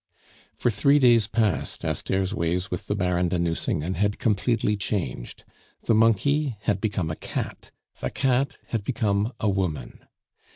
For three days past, Esther's ways with the Baron de Nucingen had completely changed. The monkey had become a cat, the cat had become a woman.